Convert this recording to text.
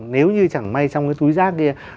nếu như chẳng may trong cái túi rác kia